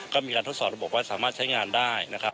ก็มีการทดสอบระบบให้สามารถใช้งานได้